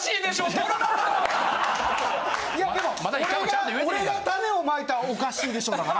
いやでも俺が種をまいた「おっかしいでしょ」だから。